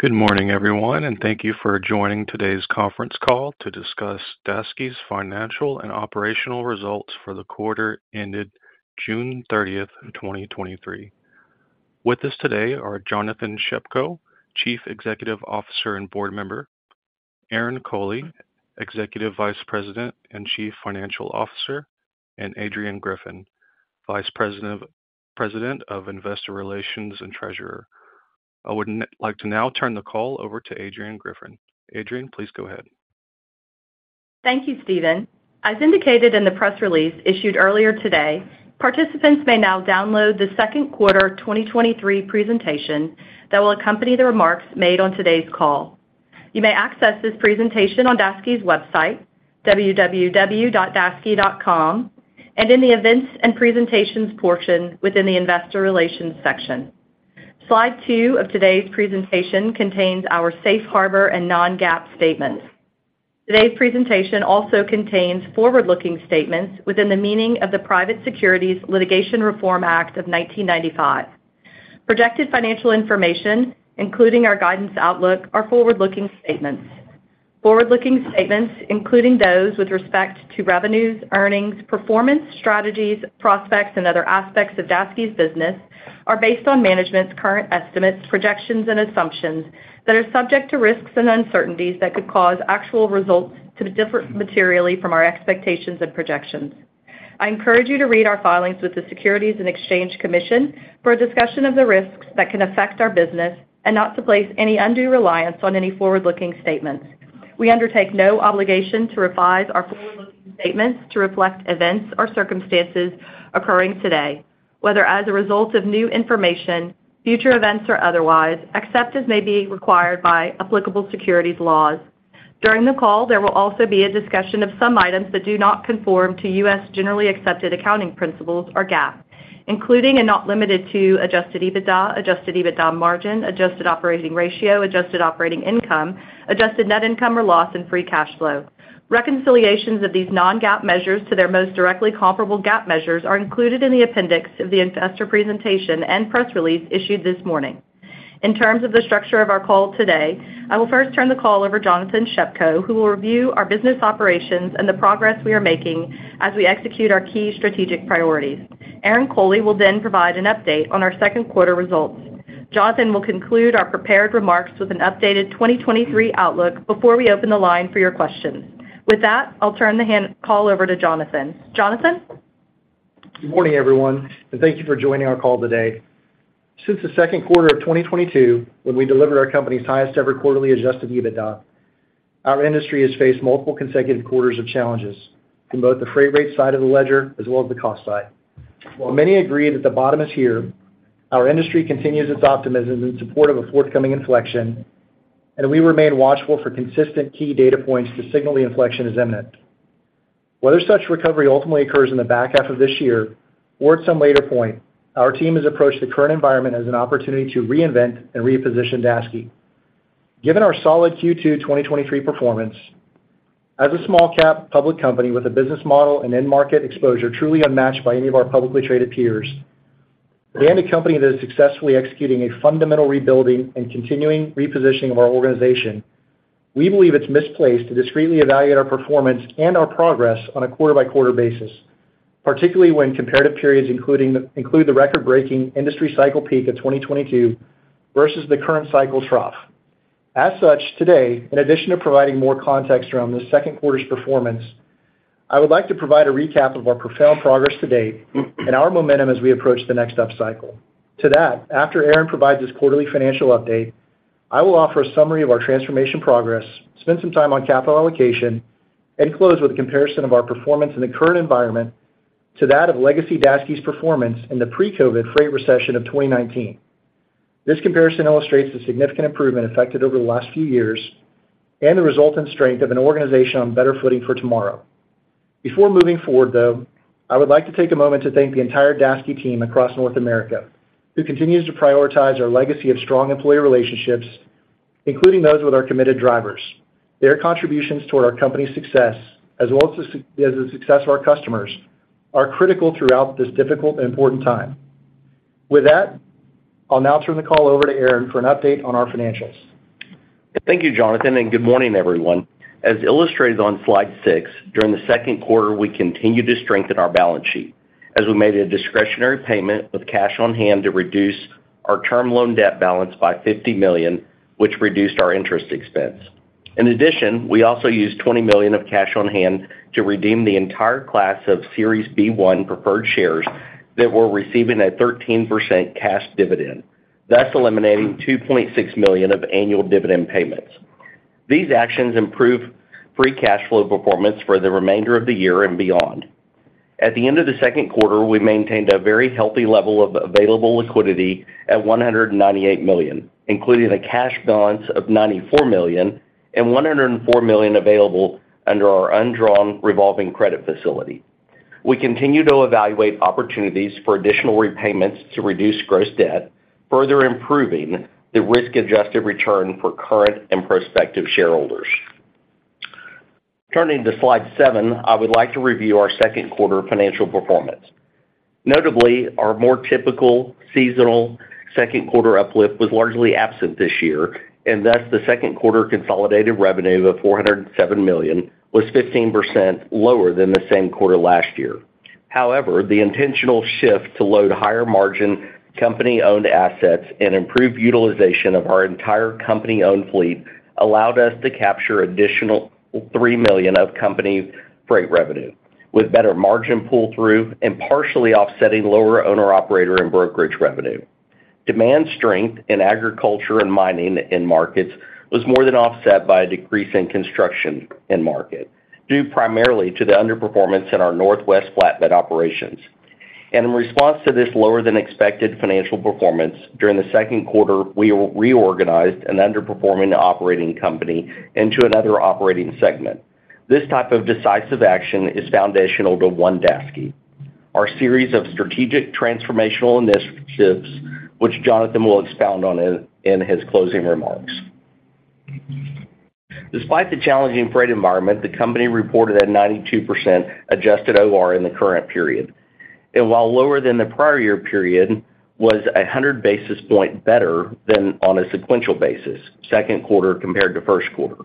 Good morning, everyone, and thank you for joining today's conference call to discuss Daseke's financial and operational results for the quarter ended June 30, 2023. With us today are Jonathan Shepko, Chief Executive Officer and Board Member, Aaron Coley, Executive Vice President and Chief Financial Officer, and Adrian Griffin, President of Investor Relations and Treasurer. I would like to now turn the call over to Adrian Griffin. Adrian, please go ahead. Thank you, Steven. As indicated in the press release issued earlier today, participants may now download the Q2 2023 presentation that will accompany the remarks made on today's call. You may access this presentation on Daseke's website, www.daseke.com, and in the Events and Presentations portion within the Investor Relations section. Slide 2 of today's presentation contains our safe harbor and non-GAAP statements. Today's presentation also contains forward-looking statements within the meaning of the Private Securities Litigation Reform Act of 1995. Projected financial information, including our guidance outlook, are forward-looking statements. Forward-looking statements, including those with respect to revenues, earnings, performance, strategies, prospects, and other aspects of Daseke's business, are based on management's current estimates, projections, and assumptions that are subject to risks and uncertainties that could cause actual results to be different materially from our expectations and projections. I encourage you to read our filings with the Securities and Exchange Commission for a discussion of the risks that can affect our business and not to place any undue reliance on any forward-looking statements. We undertake no obligation to revise our forward-looking statements to reflect events or circumstances occurring today, whether as a result of new information, future events, or otherwise, except as may be required by applicable securities laws. During the call, there will also be a discussion of some items that do not conform to US generally accepted accounting principles, or GAAP, including and not limited to adjusted EBITDA, adjusted EBITDA margin, adjusted operating ratio, adjusted operating income, adjusted net income or loss, and Free Cash Flow. Reconciliations of these non-GAAP measures to their most directly comparable GAAP measures are included in the appendix of the investor presentation and press release issued this morning. In terms of the structure of our call today, I will first turn the call over Jonathan Shepko, who will review our business operations and the progress we are making as we execute our key strategic priorities. Aaron Coley will then provide an update on our Q2 results. Jonathan will conclude our prepared remarks with an updated 2023 outlook before we open the line for your questions. With that, I'll turn the call over to Jonathan. Jonathan? Good morning, everyone, and thank you for joining our call today. Since the Q2 of 2022, when we delivered our company's highest-ever quarterly adjusted EBITDA, our industry has faced multiple consecutive quarters of challenges in both the freight rate side of the ledger as well as the cost side. While many agree that the bottom is here, our industry continues its optimism in support of a forthcoming inflection, and we remain watchful for consistent key data points to signal the inflection is imminent. Whether such recovery ultimately occurs in the back half of this year or at some later point, our team has approached the current environment as an opportunity to reinvent and reposition Daseke. Given our solid Q2 2023 performance, as a small-cap public company with a business model and end market exposure truly unmatched by any of our publicly traded peers, we are a company that is successfully executing a fundamental rebuilding and continuing repositioning of our organization. We believe it's misplaced to discretely evaluate our performance and our progress on a quarter-by-quarter basis, particularly when comparative periods include the record-breaking industry cycle peak of 2022 versus the current cycle trough. As such, today, in addition to providing more context around this Q2's performance, I would like to provide a recap of our profound progress to date and our momentum as we approach the next upcycle. To that, after Aaron provides his quarterly financial update, I will offer a summary of our transformation progress, spend some time on capital allocation, and close with a comparison of our performance in the current environment to that of legacy Daseke's performance in the pre-COVID freight recession of 2019. This comparison illustrates the significant improvement affected over the last few years and the resultant strength of an organization on better footing for tomorrow. Before moving forward, though, I would like to take a moment to thank the entire Daseke team across North America, who continues to prioritize our legacy of strong employee relationships, including those with our committed drivers. Their contributions toward our company's success, as well as the success of our customers, are critical throughout this difficult and important time. With that, I'll now turn the call over to Aaron for an update on our financials. Thank you, Jonathan. Good morning, everyone. As illustrated on slide 6, during the Q2, we continued to strengthen our balance sheet as we made a discretionary payment with cash on hand to reduce our term loan debt balance by $50 million, which reduced our interest expense. In addition, we also used $20 million of cash on hand to redeem the entire class of Series B-1 preferred shares that were receiving a 13% cash dividend, thus eliminating $2.6 million of annual dividend payments. These actions improve Free Cash Flow performance for the remainder of the year and beyond. At the end of the Q2, we maintained a very healthy level of available liquidity at $198 million, including a cash balance of $94 million and $104 million available under our undrawn revolving credit facility. We continue to evaluate opportunities for additional repayments to reduce gross debt, further improving the risk-adjusted return for current and prospective shareholders.. Turning to slide 7, I would like to review our Q2 financial performance. Notably, our more typical seasonal Q2 uplift was largely absent this year, thus, the Q2 consolidated revenue of $407 million was 15% lower than the same quarter last year. However, the intentional shift to load higher-margin company-owned assets and improved utilization of our entire company-owned fleet allowed us to capture additional $3 million of company freight revenue, with better margin pull-through and partially offsetting lower owner-operator and brokerage revenue. Demand strength in agriculture and mining end markets was more than offset by a decrease in construction end market, due primarily to the underperformance in our Northwest flatbed operations. In response to this lower-than-expected financial performance, during the Q2, we reorganized an underperforming operating company into another operating segment. This type of decisive action is foundational to One Daseke, our series of strategic transformational initiatives, which Jonathan will expound on in his closing remarks. Despite the challenging freight environment, the company reported a 92% adjusted OR in the current period, and while lower than the prior year period, was 100 basis points better than on a sequential basis, Q2 compared to Q1.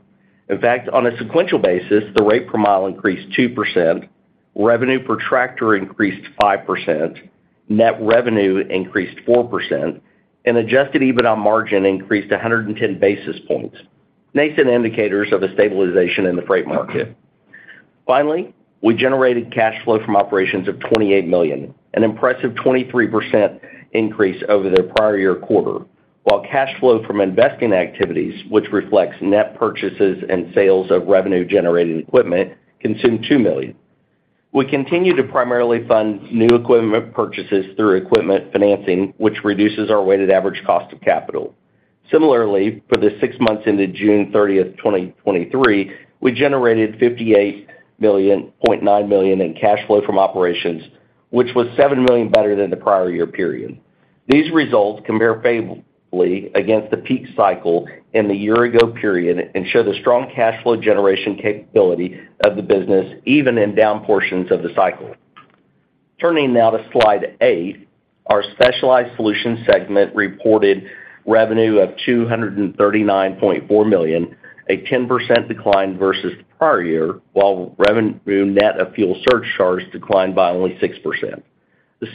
In fact, on a sequential basis, the rate per mile increased 2%, revenue per tractor increased 5%, net revenue increased 4%, and adjusted EBITDA margin increased 110 basis points, nascent indicators of a stabilization in the freight market. Finally, we generated cash flow from operations of $28 million, an impressive 23% increase over the prior year quarter, while cash flow from investing activities, which reflects net purchases and sales of revenue-generating equipment, consumed $2 million. We continue to primarily fund new equipment purchases through equipment financing, which reduces our weighted average cost of capital. Similarly, for the six months ended June 30, 2023, we generated $58.9 million in cash flow from operations, which was $7 million better than the prior year period. These results compare favorably against the peak cycle in the year-ago period and show the strong cash flow generation capability of the business, even in down portions of the cycle. Turning now to Slide 8, our Specialized Solutions segment reported revenue of $239.4 million, a 10% decline versus the prior year, while revenue net of fuel surcharge charges declined by only 6%. The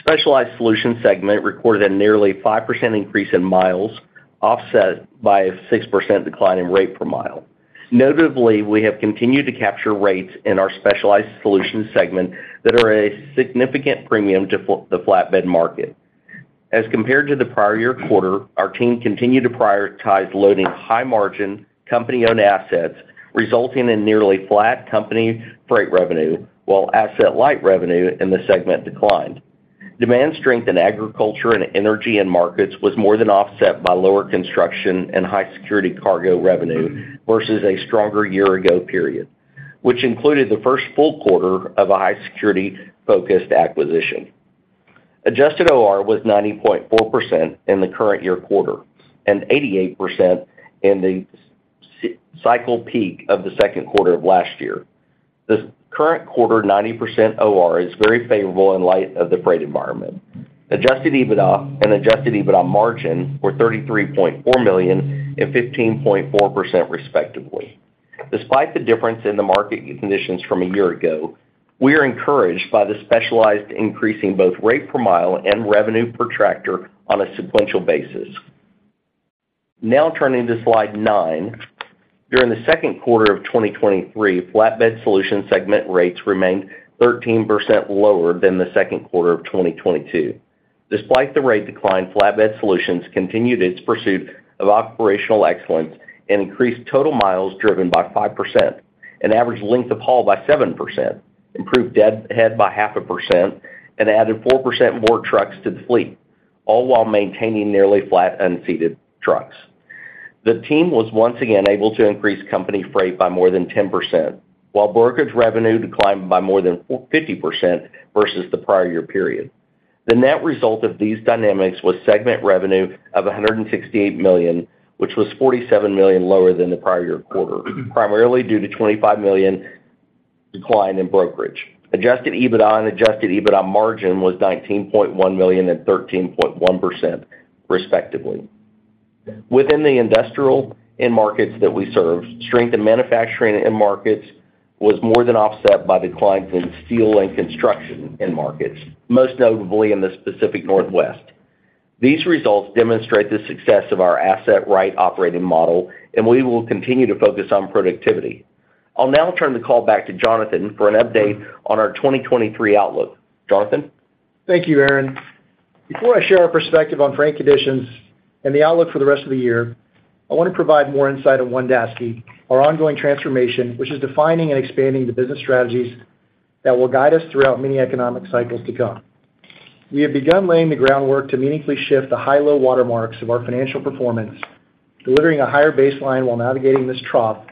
Specialized Solutions segment recorded a nearly 5% increase in miles, offset by a 6% decline in rate per mile. Notably, we have continued to capture rates in our Specialized Solutions segment that are at a significant premium to the flatbed market. As compared to the prior year quarter, our team continued to prioritize loading high-margin, company-owned assets, resulting in nearly flat company freight revenue, while asset-light revenue in the segment declined. Demand strength in agriculture and energy end markets was more than offset by lower construction and high-security cargo revenue versus a stronger year-ago period, which included the first full quarter of a high-security-focused acquisition. Adjusted OR was 90.4% in the current year quarter, and 88% in the cycle peak of the Q2 of last year. The current quarter, 90% OR, is very favorable in light of the freight environment. Adjusted EBITDA and adjusted EBITDA margin were $33.4 million and 15.4%, respectively. Despite the difference in the market conditions from a year ago, we are encouraged by the specialized increasing both rate per mile and revenue per tractor on a sequential basis. Turning to Slide 9. During the Q2 of 2023, Flatbed Solutions segment rates remained 13% lower than the Q2 of 2022. Despite the rate decline, Flatbed Solutions continued its pursuit of operational excellence and increased total miles driven by 5%, and average length of haul by 7%, improved deadhead by 0.5%, and added 4% more trucks to the fleet, all while maintaining nearly flat unseated trucks. The team was once again able to increase company freight by more than 10%, while brokerage revenue declined by more than 50% versus the prior year period. The net result of these dynamics was segment revenue of $168 million, which was $47 million lower than the prior year quarter, primarily due to $25 million decline in brokerage. Adjusted EBITDA and adjusted EBITDA margin was $19.1 million and 13.1%, respectively. Within the industrial end markets that we serve, strength in manufacturing end markets was more than offset by declines in steel and construction end markets, most notably in the Pacific Northwest. These results demonstrate the success of our Asset-Right operating model, and we will continue to focus on productivity. I'll now turn the call back to Jonathan for an update on our 2023 outlook. Jonathan? Thank you, Aaron. Before I share our perspective on freight conditions and the outlook for the rest of the year, I want to provide more insight on One Daseke, our ongoing transformation, which is defining and expanding the business strategies that will guide us throughout many economic cycles to come. We have begun laying the groundwork to meaningfully shift the high, low watermarks of our financial performance, delivering a higher baseline while navigating this trough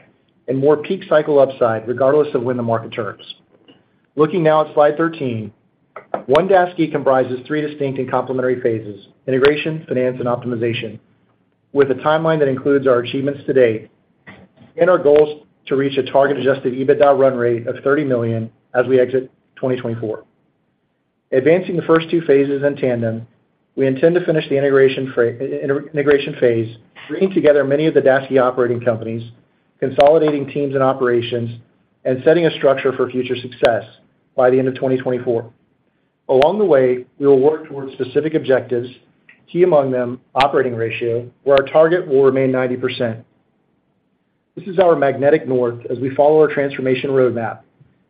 and more peak cycle upside, regardless of when the market turns. Looking now at slide 13, One Daseke comprises three distinct and complementary phases: integration, finance, and optimization, with a timeline that includes our achievements to date and our goals to reach a target adjusted EBITDA run rate of $30 million as we exit 2024. Advancing the first two phases in tandem, we intend to finish the integration phase, bringing together many of the Daseke operating companies, consolidating teams and operations, and setting a structure for future success by the end of 2024. Along the way, we will work towards specific objectives, key among them, operating ratio, where our target will remain 90%. This is our magnetic north as we follow our transformation roadmap,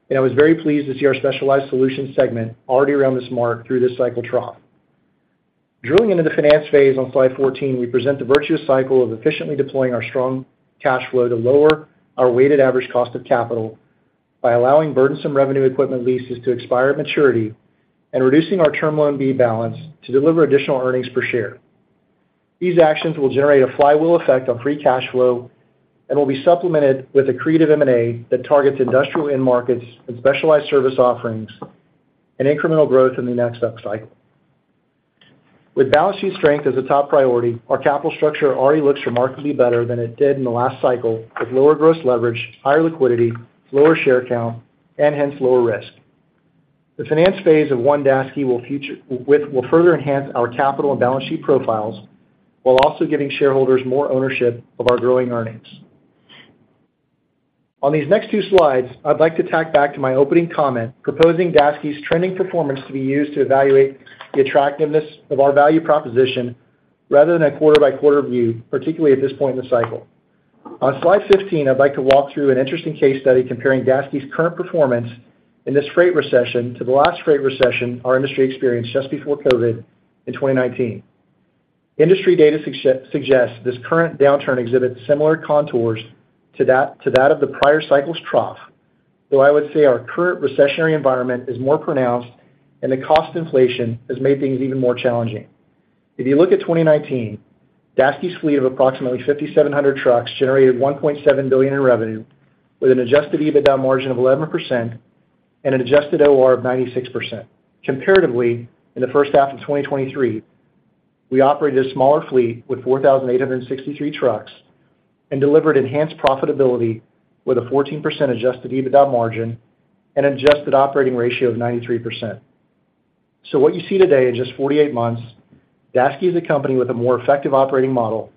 and I was very pleased to see our Specialized Solutions segment already around this mark through this cycle trough. Drilling into the finance phase on slide 14, we present the virtuous cycle of efficiently deploying our strong cash flow to lower our weighted average cost of capital by allowing burdensome revenue equipment leases to expire at maturity and reducing our Term Loan B balance to deliver additional earnings per share. These actions will generate a flywheel effect on Free Cash Flow and will be supplemented with accretive M&A that targets industrial end markets and specialized service offerings and incremental growth in the next upcycle. With balance sheet strength as a top priority, our capital structure already looks remarkably better than it did in the last cycle, with lower gross leverage, higher liquidity, lower share count, and hence, lower risk. The finance phase of One Daseke will further enhance our capital and balance sheet profiles, while also giving shareholders more ownership of our growing earnings. On these next two slides, I'd like to tack back to my opening comment, proposing Daseke's trending performance to be used to evaluate the attractiveness of our value proposition rather than a quarter-by-quarter view, particularly at this point in the cycle. On slide 15, I'd like to walk through an interesting case study comparing Daseke's current performance in this freight recession to the last freight recession our industry experienced just before COVID in 2019. Industry data suggests this current downturn exhibits similar contours to that, to that of the prior cycle's trough, though I would say our current recessionary environment is more pronounced, and the cost inflation has made things even more challenging. If you look at 2019, Daseke's fleet of approximately 5,700 trucks generated $1.7 billion in revenue, with an Adjusted EBITDA margin of 11% and an Adjusted OR of 96%. Comparatively, in the first half of 2023, we operated a smaller fleet with 4,863 trucks and delivered enhanced profitability with a 14% Adjusted EBITDA margin and Adjusted Operating Ratio of 93%. What you see today, in just 48 months, Daseke is a company with a more effective operating model,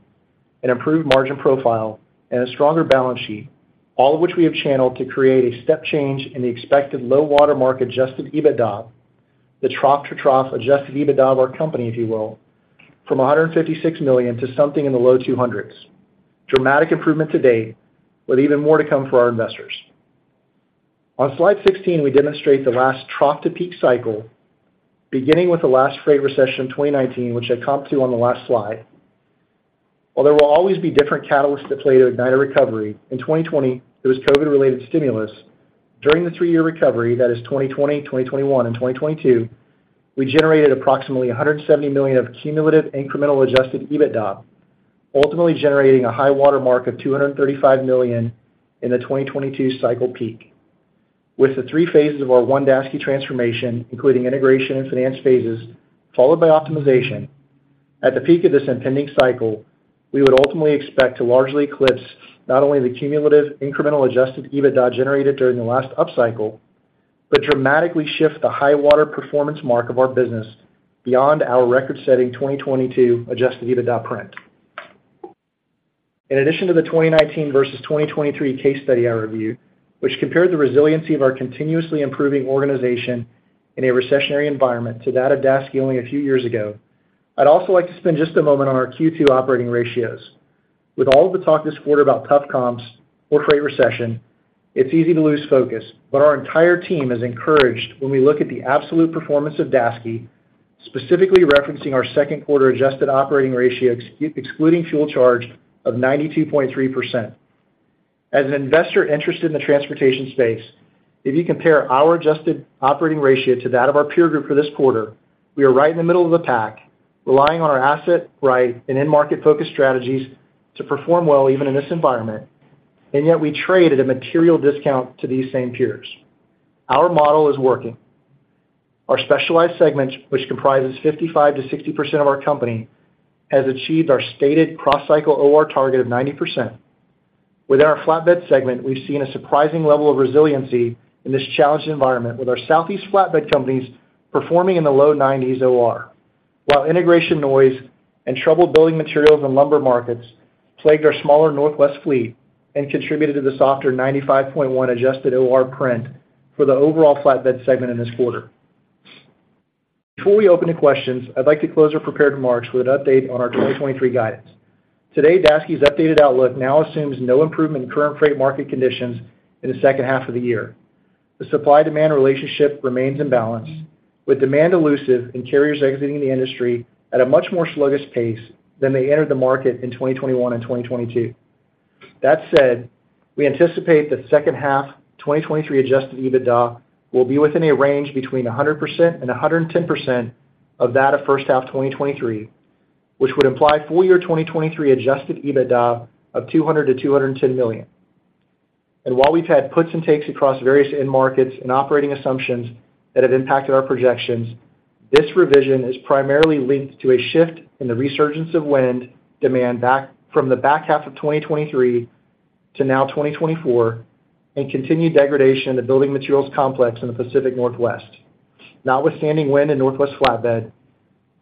an improved margin profile, and a stronger balance sheet, all of which we have channeled to create a step change in the expected low-water mark adjusted EBITDA, the trough-to-trough adjusted EBITDA of our company, if you will, from $156 million to something in the low $200 million. Dramatic improvement to date, with even more to come for our investors. On slide 16, we demonstrate the last trough-to-peak cycle, beginning with the last freight recession in 2019, which I comped to on the last slide. While there will always be different catalysts at play to ignite a recovery, in 2020, it was COVID-related stimulus. During the three-year recovery, that is 2020, 2021, and 2022, we generated approximately $170 million of cumulative incremental adjusted EBITDA, ultimately generating a high-water mark of $235 million in the 2022 cycle peak. With the three phases of our One Daseke transformation, including integration and finance phases, followed by optimization, at the peak of this impending cycle, we would ultimately expect to largely eclipse not only the cumulative incremental adjusted EBITDA generated during the last upcycle, but dramatically shift the high-water performance mark of our business beyond our record-setting 2022 adjusted EBITDA print. In addition to the 2019 versus 2023 case study I reviewed, which compared the resiliency of our continuously improving organization in a recessionary environment to that of Daseke only a few years ago, I'd also like to spend just a moment on our Q2 operating ratios. With all of the talk this quarter about tough comps or freight recession, it's easy to lose focus, but our entire team is encouraged when we look at the absolute performance of Daseke, specifically referencing our Q2 adjusted operating ratio, excluding fuel charge, of 92.3%. As an investor interested in the transportation space, if you compare our adjusted operating ratio to that of our peer group for this quarter, we are right in the middle of the pack, relying on our Asset-Right and end-market-focused strategies to perform well even in this environment, and yet we trade at a material discount to these same peers. Our model is working. Our Specialized segments, which comprises 55%-60% of our company, has achieved our stated cross-cycle OR target of 90%. Within our Flatbed segment, we've seen a surprising level of resiliency in this challenged environment, with our Southeast Flatbed companies performing in the low 90s OR, while integration noise and troubled building materials and lumber markets plagued our smaller Northwest fleet and contributed to the softer 95.1 adjusted OR print for the overall Flatbed segment in this quarter. Before we open to questions, I'd like to close our prepared remarks with an update on our 2023 guidance. Today, Daseke's updated outlook now assumes no improvement in current freight market conditions in the second half of the year. The supply-demand relationship remains imbalanced, with demand elusive and carriers exiting the industry at a much more sluggish pace than they entered the market in 2021 and 2022. That said, we anticipate the second half 2023 adjusted EBITDA will be within a range between 100% and 110% of that of first half 2023. which would imply full year 2023 adjusted EBITDA of $200 million-$210 million. While we've had puts and takes across various end markets and operating assumptions that have impacted our projections, this revision is primarily linked to a shift in the resurgence of wind demand back from the back half of 2023 to now 2024, and continued degradation in the building materials complex in the Pacific Northwest. Notwithstanding wind and Northwest flatbed,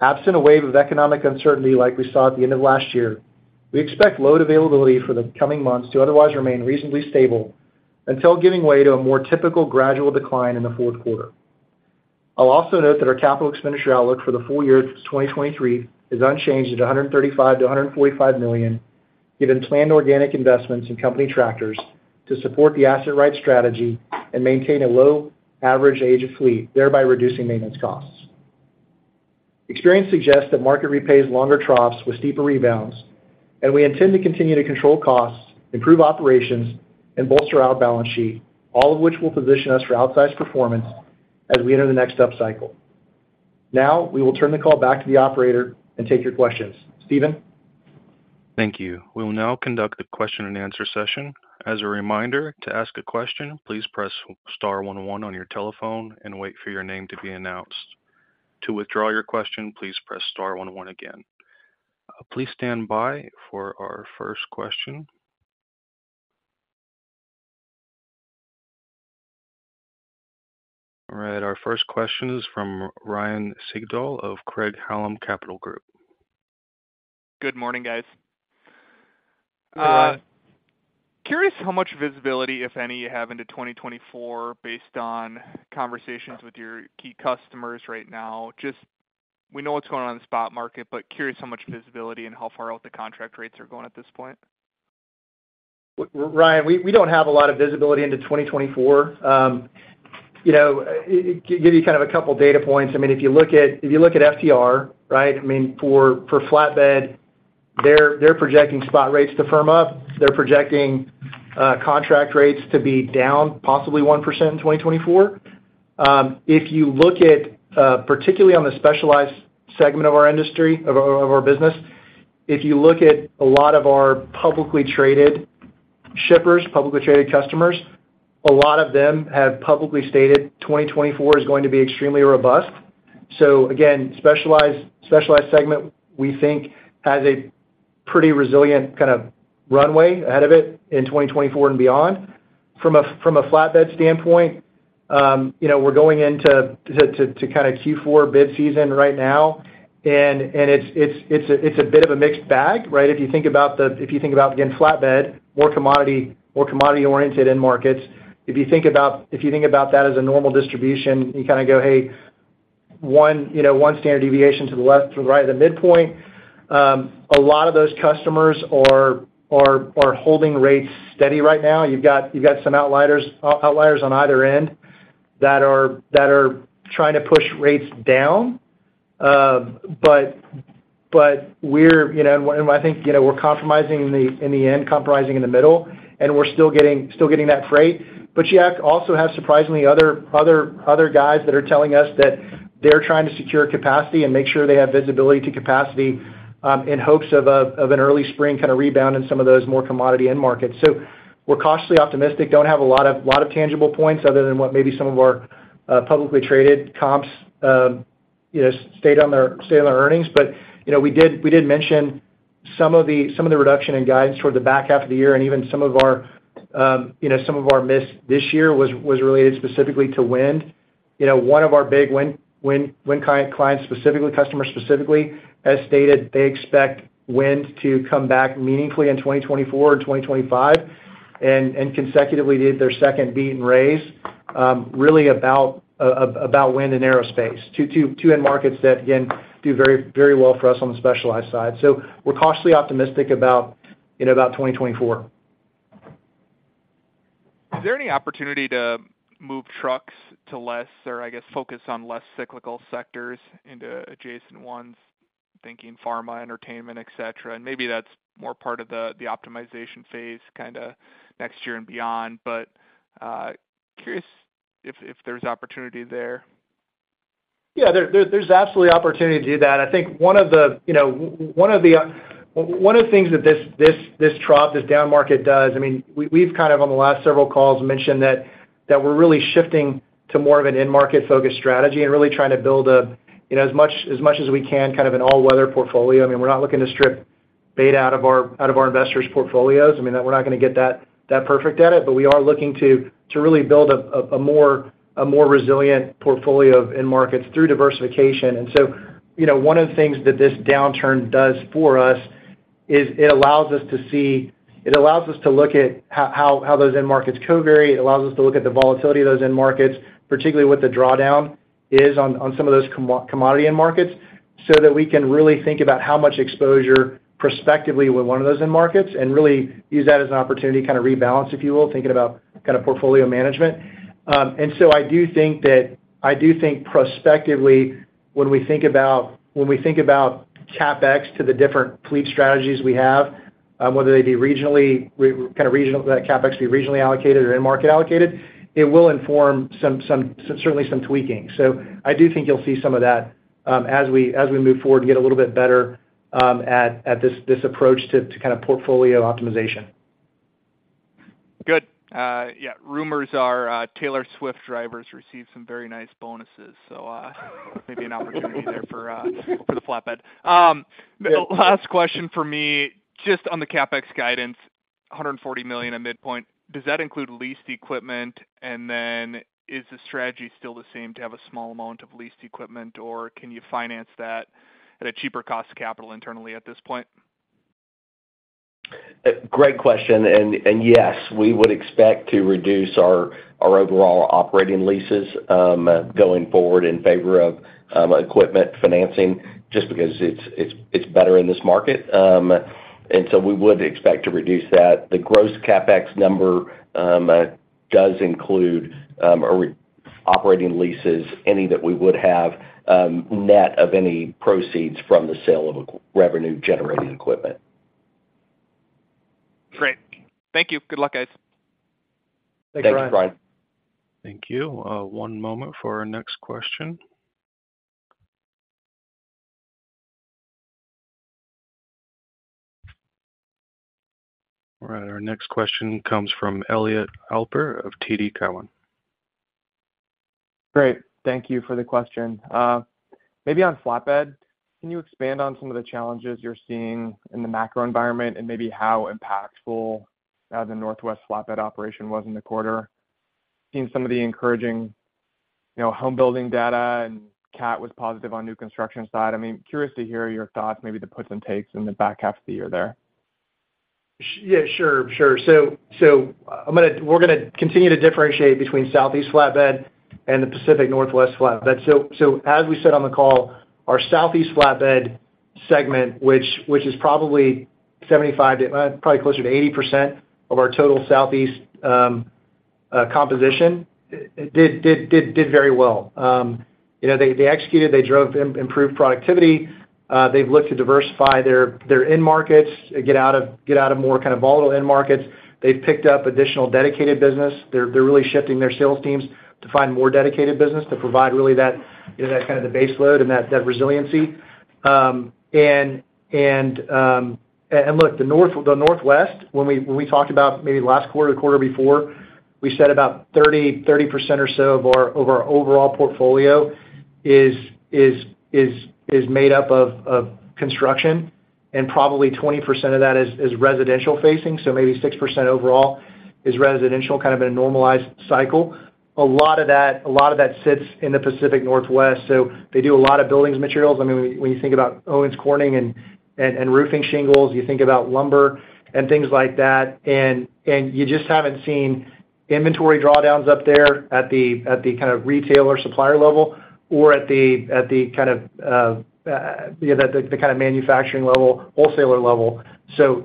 absent a wave of economic uncertainty like we saw at the end of last year, we expect load availability for the coming months to otherwise remain reasonably stable until giving way to a more typical gradual decline in the Q4. I'll also note that our capital expenditure outlook for the full year of 2023 is unchanged at $135 million-$145 million, given planned organic investments in company tractors to support the Asset-Right strategy and maintain a low average age of fleet, thereby reducing maintenance costs. Experience suggests that market repays longer troughs with steeper rebounds, and we intend to continue to control costs, improve operations, and bolster our balance sheet, all of which will position us for outsized performance as we enter the next upcycle. Now, we will turn the call back to the operator and take your questions. Steven? Thank you. We will now conduct a question-and-answer session. As a reminder, to ask a question, please press star one one on your telephone and wait for your name to be announced. To withdraw your question, please press star one one again. Please stand by for our first question. All right, our first question is from Ryan Sigdahl of Craig-Hallum Capital Group. Good morning, guys. Good morning. Curious how much visibility, if any, you have into 2024, based on conversations with your key customers right now. Just, we know what's going on in the spot market, but curious how much visibility and how far out the contract rates are going at this point. Ryan, we, we don't have a lot of visibility into 2024. you know, give you kind of a couple data points. I mean, if you look at, if you look at FTR, right? I mean, for, for flatbed, they're, they're projecting spot rates to firm up. They're projecting contract rates to be down possibly 1% in 2024. If you look at, particularly on the specialized segment of our industry, of our, of our business, if you look at a lot of our publicly traded shippers, publicly traded customers, a lot of them have publicly stated 2024 is going to be extremely robust. So again, specialized, specialized segment, we think, has a pretty resilient kind of runway ahead of it in 2024 and beyond. From a, from a flatbed standpoint, you know, we're going into kind of Q4 bid season right now, and, it's a bit of a mixed bag, right? If you think about if you think about, again, flatbed, more commodity, more commodity-oriented end markets, if you think about, if you think about that as a normal distribution, you kinda go, hey, one, you know, one standard deviation to the left, to the right of the midpoint. A lot of those customers are, are, are holding rates steady right now. You've got, you've got some outliers, outliers on either end that are, that are trying to push rates down. But we're, you know, and I think, you know, we're compromising in the, in the end, compromising in the middle, and we're still getting, still getting that freight. You also have, surprisingly, other, other, other guys that are telling us that they're trying to secure capacity and make sure they have visibility to capacity, in hopes of a, of an early spring kind of rebound in some of those more commodity end markets. We're cautiously optimistic. Don't have a lot of, lot of tangible points other than what maybe some of our, publicly traded comps, you know, stated on their, state on their earnings. You know, we did, we did mention some of the, some of the reduction in guidance toward the back half of the year, and even some of our, you know, some of our miss this year was, was related specifically to wind. You know, one of our big wind, wind, wind client, clients, specifically customers, specifically, as stated, they expect wind to come back meaningfully in 2024 and 2025, and consecutively did their second beat and raise, really about wind and aerospace. Two end markets that, again, do very, very well for us on the specialized side. We're cautiously optimistic about, you know, about 2024. Is there any opportunity to move trucks to less or, I guess, focus on less cyclical sectors into adjacent ones, thinking pharma, entertainment, et cetera? Maybe that's more part of the, the optimization phase, kinda next year and beyond. Curious if, if there's opportunity there. Yeah, there, there's absolutely opportunity to do that. I think one of the, you know, one of the things that this trough, this down market does, I mean, we've kind of, on the last several calls, mentioned that, that we're really shifting to more of an end market-focused strategy and really trying to build a, you know, as much, as much as we can, kind of an all-weather portfolio. I mean, we're not looking to strip beta out of our, out of our investors' portfolios. I mean, that we're not gonna get that, that perfect at it, but we are looking to, to really build a more, a more resilient portfolio of end markets through diversification. One of the things that this downturn does for us is it allows us to see, it allows us to look at how, how, how those end markets covary. It allows us to look at the volatility of those end markets, particularly what the drawdown is on, on some of those commodity end markets, so that we can really think about how much exposure prospectively with one of those end markets, and really use that as an opportunity to kind of rebalance, if you will, thinking about kind of portfolio management. I do think I do think prospectively, when we think about, when we think about CapEx to the different fleet strategies we have. Whether they be regionally, kind of regional, that CapEx be regionally allocated or end market allocated, it will inform some, certainly some tweaking. I do think you'll see some of that, as we, as we move forward to get a little bit better, at this approach to, to kind of portfolio optimization. Good. Yeah, rumors are, Taylor Swift drivers received some very nice bonuses, so maybe an opportunity there for, for the flatbed. The last question for me, just on the CapEx guidance, $140 million at midpoint, does that include leased equipment? Then is the strategy still the same to have a small amount of leased equipment, or can you finance that at a cheaper cost of capital internally at this point? Great question. Yes, we would expect to reduce our overall operating leases going forward in favor of equipment financing just because it's better in this market. We would expect to reduce that. The gross CapEx number does include operating leases, any that we would have, net of any proceeds from the sale of revenue-generating equipment. Great. Thank you. Good luck, guys. Thanks, Ryan. Thank you, Ryan. Thank you. One moment for our next question. All right, our next question comes from Elliot Alper of TD Cowen. Great. Thank you for the question. Maybe on flatbed, can you expand on some of the challenges you're seeing in the macro environment and maybe how impactful the Northwest flatbed operation was in the quarter? Seeing some of the encouraging, you know, homebuilding data, Caterpillar was positive on new construction side. I mean, curious to hear your thoughts, maybe the puts and takes in the back half of the year there. Yeah, sure, sure. I'm gonna we're gonna continue to differentiate between Southeast flatbed and the Pacific Northwest flatbed. As we said on the call, our Southeast flatbed segment, which, which is probably 75, probably closer to 80% of our total Southeast composition, did very well. You know, they, they executed, they drove improved productivity, they've looked to diversify their, their end markets, get out of, get out of more kind of volatile end markets. They've picked up additional dedicated business. They're, they're really shifting their sales teams to find more dedicated business, to provide really that, you know, that kind of the base load and that, that resiliency. Look, the Northwest, when we, when we talked about maybe last quarter, the quarter before, we said about 30%, 30% or so of our, of our overall portfolio is, is made up of, of construction, and probably 20% of that is, is residential facing. So maybe 6% overall is residential, kind of in a normalized cycle. A lot of that, a lot of that sits in the Pacific Northwest, so they do a lot of buildings materials. I mean, when, when you think about Owens Corning and, and, and roofing shingles, you think about lumber and things like that, and, and you just haven't seen inventory drawdowns up there at the, at the kind of retailer supplier level or at the, at the, kind of, you know, the, the kind of manufacturing level, wholesaler level.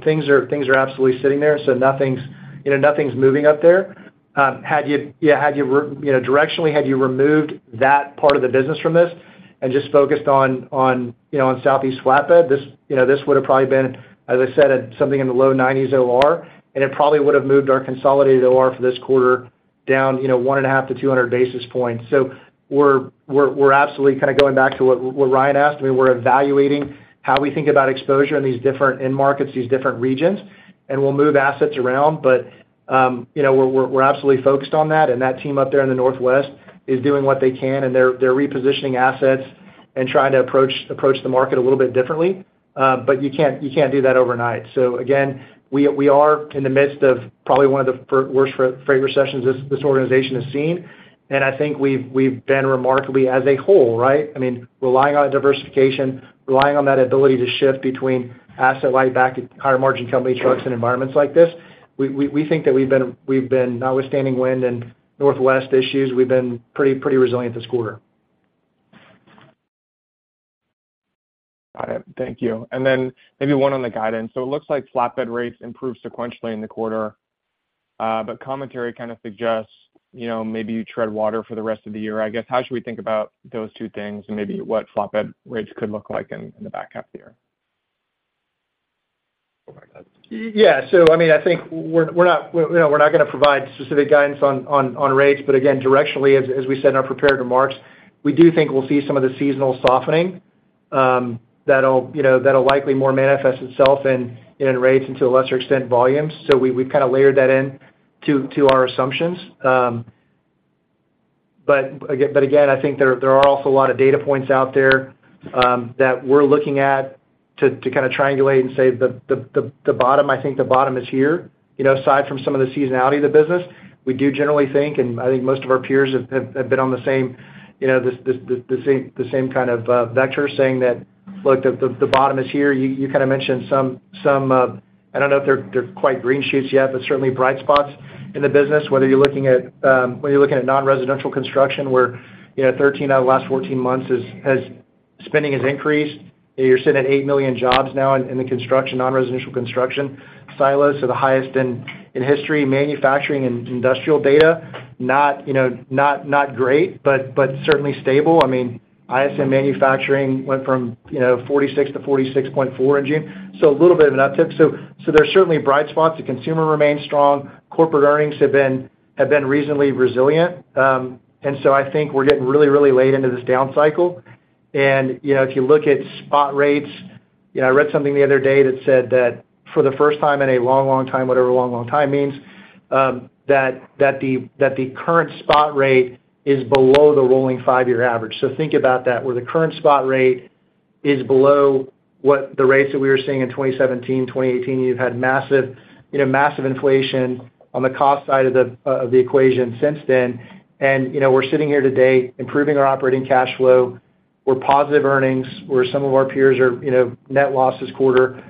Things are, things are absolutely sitting there, so nothing's, you know, nothing's moving up there. Had you, you know, directionally, had you removed that part of the business from this and just focused on, on, you know, on Southeast flatbed, this, you know, this would have probably been, as I said, at something in the low 90s OR, and it probably would have moved our consolidated OR for this quarter down, you know, 1.5-200 basis points. We're, we're, we're absolutely kind of going back to what, what Ryan asked. I mean, we're evaluating how we think about exposure in these different end markets, these different regions, and we'll move assets around. You know, we're, we're, we're absolutely focused on that, and that team up there in the Northwest is doing what they can, and they're, they're repositioning assets and trying to approach, approach the market a little bit differently. But you can't, you can't do that overnight. Again, we, we are in the midst of probably one of the worst freight recessions this, this organization has seen. I think we've, we've been remarkably as a whole, right? I mean, relying on diversification, relying on that ability to shift between asset light back to higher margin company trucks in environments like this. We, we, we think that we've been, we've been notwithstanding wind and Northwest issues, we've been pretty, pretty resilient this quarter. Got it. Thank you. Then maybe one on the guidance. It looks like flatbed rates improved sequentially in the quarter, but commentary kind of suggests, you know, maybe you tread water for the rest of the year. I guess, how should we think about those two things and maybe what flatbed rates could look like in, in the back half of the year? Yeah. I mean, I think we're, we're not, we, you know, we're not gonna provide specific guidance on, on, on rates. Again, directionally, as, as we said in our prepared remarks, we do think we'll see some of the seasonal softening, that'll, you know, that'll likely more manifest itself in, in rates and to a lesser extent, volumes. We, we've kind of layered that in to, to our assumptions. Again, but again, I think there, there are also a lot of data points out there, that we're looking at to, to kind of triangulate and say the bottom, I think the bottom is here. You know, aside from some of the seasonality of the business, we do generally think, and I think most of our peers have been on the same, you know, the same kind of vector, saying that, look, the bottom is here. You kind of mentioned some, I don't know if they're quite green shoots yet, but certainly bright spots in the business, whether you're looking at, whether you're looking at non-residential construction, where, you know, 13 out of the last 14 months spending has increased. You're sitting at eight million jobs now in the construction, non-residential construction silos are the highest in history. Manufacturing and industrial data, not, you know, not great, but certainly stable. I mean, ISM manufacturing went from, you know, 46 to 46.4 in June, so a little bit of an uptick. So there are certainly bright spots. The consumer remains strong. Corporate earnings have been, have been reasonably resilient. I think we're getting really, really late into this down cycle. You know, if you look at spot rates, you know, I read something the other day that said that for the first time in a long, long time, whatever long, long time means, that, that the, that the current spot rate is below the rolling five-year average. Think about that, where the current spot rate is below what the rates that we were seeing in 2017, 2018. You've had massive, you know, massive inflation on the cost side of the equation since then. You know, we're sitting here today improving our operating cash flow. We're positive earnings, where some of our peers are, you know, net loss this quarter.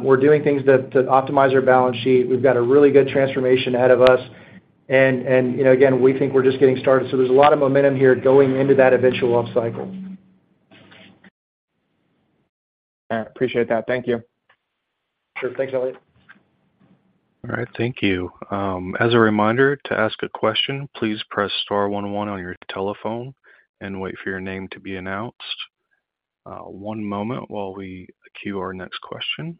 We're doing things that, that optimize our balance sheet. We've got a really good transformation ahead of us. And, you know, again, we think we're just getting started. There's a lot of momentum here going into that eventual upcycle. All right. Appreciate that. Thank you. Sure. Thanks, Elliot. All right. Thank you. As a reminder, to ask a question, please press star one one on your telephone and wait for your name to be announced. One moment while we queue our next question.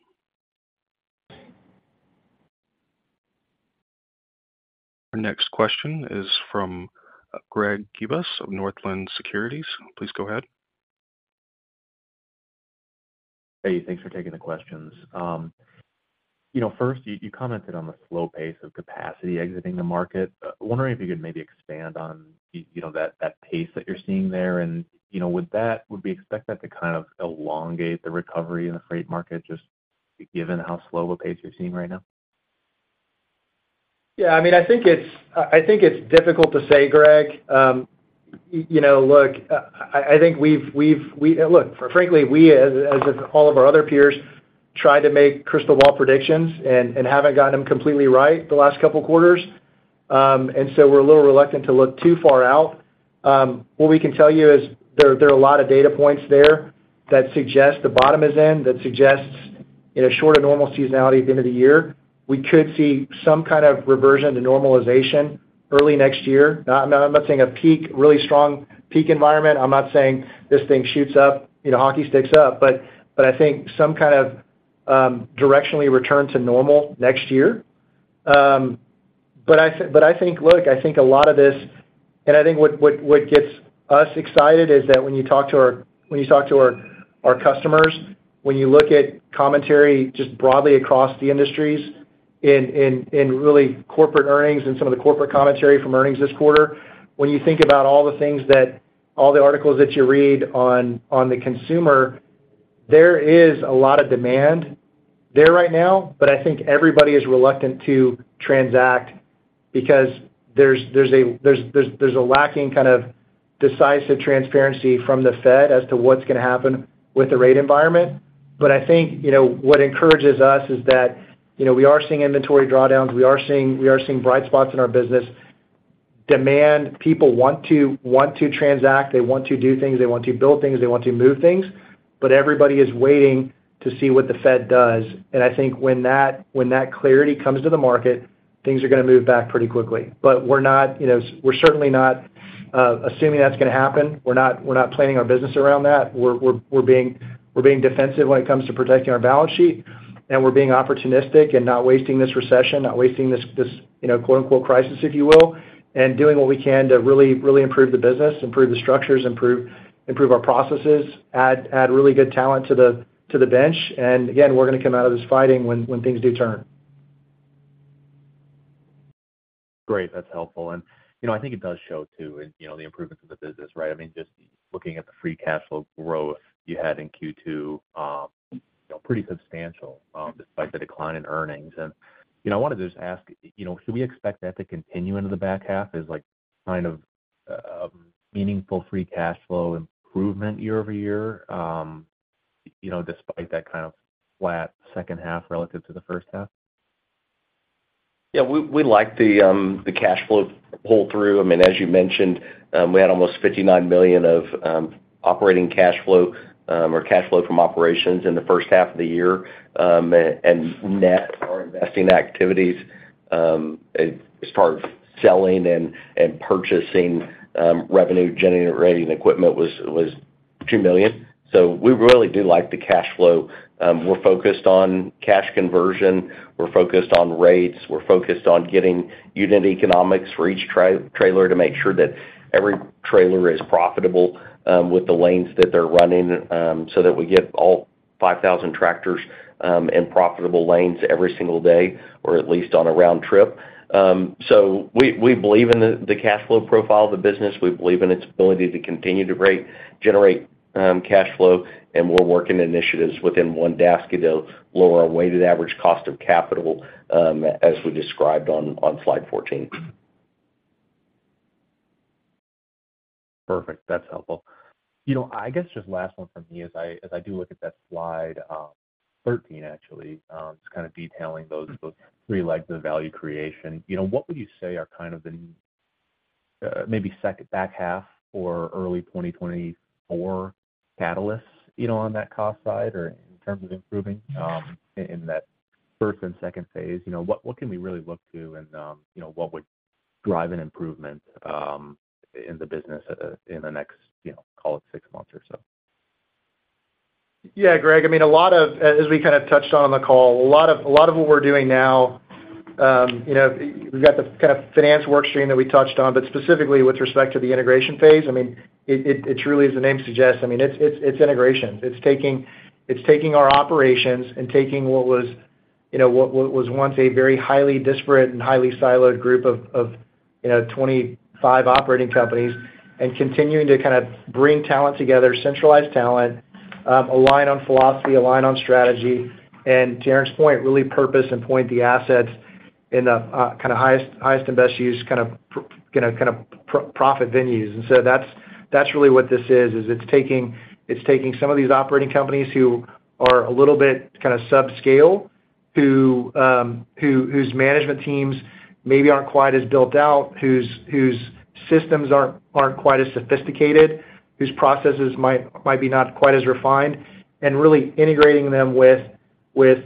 Our next question is from Greg Kubik of Northland Securities. Please go ahead. Hey, thanks for taking the questions. You know, first, you, you commented on the slow pace of capacity exiting the market. Wondering if you could maybe expand on, you know, that, that pace that you're seeing there? You know, would we expect that to kind of elongate the recovery in the freight market, just given how slow the pace you're seeing right now? Yeah, I mean, I think it's, I think it's difficult to say, Greg. You know, look, I, I think we've, look, frankly, we, as, as all of our other peers, try to make crystal ball predictions and, and haven't gotten them completely right the last couple of quarters. So we're a little reluctant to look too far out. What we can tell you is there, there are a lot of data points there that suggest the bottom is in, that suggests in a short of normal seasonality at the end of the year, we could see some kind of reversion to normalization early next year. Not- I'm not saying a peak, really strong peak environment. I'm not saying this thing shoots up, you know, hockey sticks up, but, but I think some kind of, directionally return to normal next year. I think look, I think a lot of this. I think what gets us excited is that when you talk to our customers, when you look at commentary just broadly across the industries in really corporate earnings and some of the corporate commentary from earnings this quarter, when you think about all the articles that you read on the consumer, there is a lot of demand there right now, I think everybody is reluctant to transact because there's a lacking kind of decisive transparency from Federal Reserve as to what's going to happen with the rate environment. I think, you know, what encourages us is that, you know, we are seeing inventory drawdowns, we are seeing, we are seeing bright spots in our business. Demand, people want to, want to transact, they want to do things, they want to build things, they want to move things, but everybody is waiting to see what Federal Reserve does. I think when that, when that clarity comes to the market, things are going to move back pretty quickly. We're not, you know, we're certainly not assuming that's going to happen. We're not, we're not planning our business around that. We're being defensive when it comes to protecting our balance sheet. We're being opportunistic and not wasting this recession, not wasting this, you know, quote, unquote, crisis, if you will. Doing what we can to really, really improve the business, improve the structures, improve our processes, add really good talent to the bench. Again, we're going to come out of this fighting when things do turn. Great. That's helpful. You know, I think it does show, too, and, you know, the improvements of the business, right? I mean, just looking at the Free Cash Flow growth you had in Q2, you know, pretty substantial, despite the decline in earnings. You know, I wanted to just ask, you know, should we expect that to continue into the back half as, like, kind of, meaningful Free Cash Flow improvement year-over-year, you know, despite that kind of flat second half relative to the first half? Yeah, we, we like the cash flow pull-through. I mean, as you mentioned, we had almost $59 million of operating cash flow or cash flow from operations in the first half of the year. Net, our investing activities, as far as selling and purchasing revenue-generating equipment was $2 million. We really do like the cash flow. We're focused on cash conversion, we're focused on rates, we're focused on getting unit economics for each trailer to make sure that every trailer is profitable with the lanes that they're running, so that we get all 5,000 tractors in profitable lanes every single day, or at least on a round trip. We, we believe in the cash flow profile of the business. We believe in its ability to continue to generate, cash flow, and we're working initiatives within One Daseke to lower our weighted average cost of capital, as we described on, on slide 14. Perfect. That's helpful. You know, I guess just last one from me, as I, as I do look at that slide, 13, actually, just kind of detailing those, those three legs of value creation. You know, what would you say are kind of the maybe back half or early 2024 catalysts, you know, on that cost side or in terms of improving, in that first and second phase? You know, what, what can we really look to, and, you know, what would drive an improvement, in the business in the next, you know, call it six months or so? Yeah, Greg, I mean, a lot of, as we kind of touched on in the call, a lot of, a lot of what we're doing now, you know, we've got the kind of finance work stream that we touched on, but specifically with respect to the integration phase, I mean, it, it, it truly, as the name suggests, I mean, it's integration. It's taking, it's taking our operations and taking what was, you know, what, what was once a very highly disparate and highly siloed group of, of, you know, 25 operating companies, and continuing to kind of bring talent together, centralize talent, align on philosophy, align on strategy, and to Aaron's point, really purpose and point the assets in the kind of highest, highest and best use, kind of, you know, kind of profit venues. So that's, that's really what this is, is it's taking, it's taking some of these operating companies who are a little bit kind of subscale, who, whose management teams maybe aren't quite as built out, whose, whose systems aren't, aren't quite as sophisticated, whose processes might, might be not quite as refined, and really integrating them with, with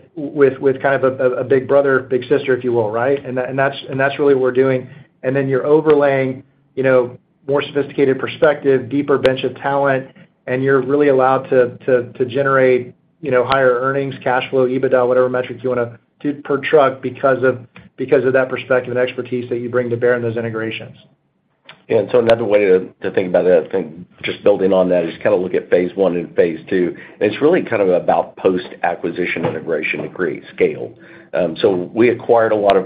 kind of a, a big brother, big sister, if you will, right. That, and that's, and that's really what we're doing. Then you're overlaying, you know, more sophisticated perspective, deeper bench of talent, and you're really allowed to, to, to generate, you know, higher earnings, cash flow, EBITDA, whatever metrics you want to do per truck because of, because of that perspective and expertise that you bring to bear in those integrations. Another way to think about that, I think, just building on that, is kind of look at phase I and phase II. It's really kind of about post-acquisition integration degree scale. We acquired a lot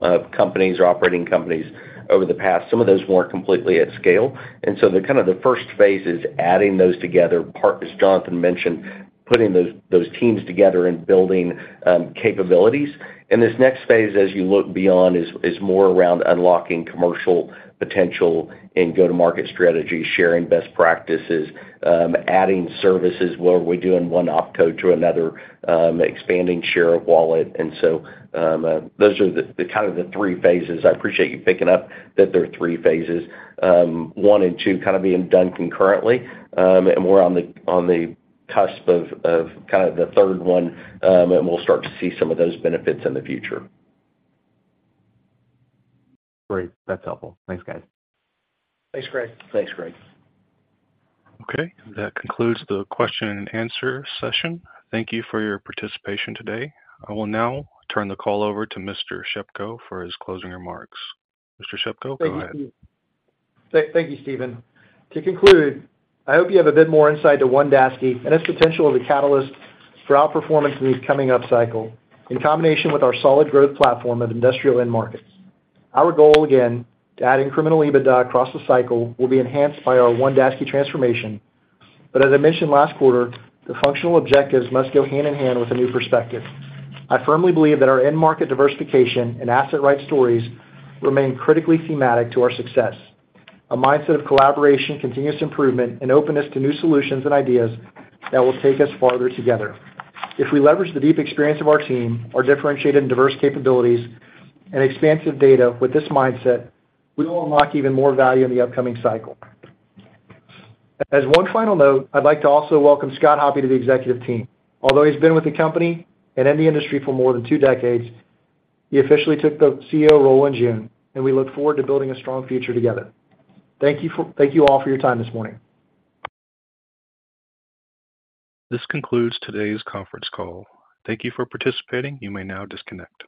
of companies or operating companies over the past. Some of those weren't completely at scale, and so the kind of the first phase is adding those together, part, as Jonathan mentioned, putting those, those teams together and building capabilities. This next phase, as you look beyond, is more around unlocking commercial potential and go-to-market strategy, sharing best practices, adding services where we're doing one OpCo to another, expanding share of wallet. Those are the, the kind of the three phases. I appreciate you picking up that there are three phases. One and two kind of being done concurrently, and we're on the, on the cusp of, of kind of the third one, and we'll start to see some of those benefits in the future. Great. That's helpful. Thanks, guys. Thanks, Greg. Thanks, Greg. Okay, that concludes the question and answer session. Thank you for your participation today. I will now turn the call over to Mr. Shepko for his closing remarks. Mr. Shepko, go ahead. Thank you, Steven. To conclude, I hope you have a bit more insight to One Daseke and its potential as a catalyst for outperformance in this coming upcycle, in combination with our solid growth platform of industrial end markets. Our goal, again, to add incremental EBITDA across the cycle, will be enhanced by our One Daseke transformation. As I mentioned last quarter, the functional objectives must go hand-in-hand with a new perspective. I firmly believe that our end market diversification and Asset-Right stories remain critically thematic to our success. A mindset of collaboration, continuous improvement, and openness to new solutions and ideas that will take us farther together. If we leverage the deep experience of our team, our differentiated and diverse capabilities, and expansive data with this mindset, we will unlock even more value in the upcoming cycle. As one final note, I'd like to also welcome Scott Hoppe to the executive team. Although he's been with the company and in the industry for more than two decades, he officially took the COO role in June, and we look forward to building a strong future together. Thank you all for your time this morning. This concludes today's conference call. Thank you for participating. You may now disconnect.